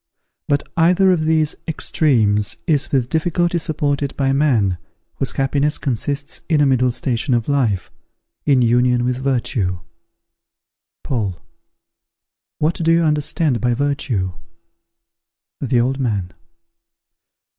But either of these extremes is with difficulty supported by man, whose happiness consists in a middle station of life, in union with virtue. Paul. What do you understand by virtue? _The Old Man.